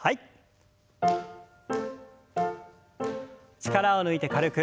力を抜いて軽く。